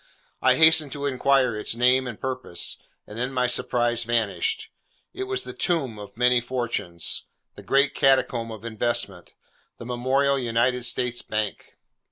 I hastened to inquire its name and purpose, and then my surprise vanished. It was the Tomb of many fortunes; the Great Catacomb of investment; the memorable United States Bank.